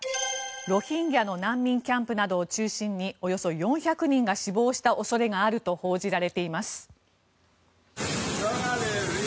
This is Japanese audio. ロヒンギャの難民キャンプなどを中心におよそ４００人が死亡した恐れがあると報じられています。